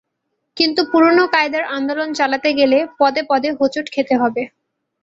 কিন্তু পুরোনো কায়দার আন্দোলন চালাতে গেলে পদে পদে হোঁচট খেতে হবে।